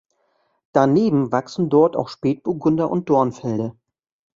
Daneben wachsen dort auch Spätburgunder und Dornfelder.